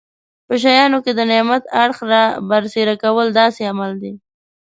په شیانو کې د نعمت اړخ رابرسېره کول داسې عمل دی.